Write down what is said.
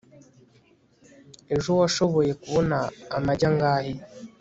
ejo washoboye kubona amagi angahe